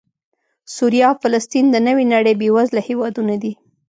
سوریه او فلسطین د نوې نړۍ بېوزله هېوادونه دي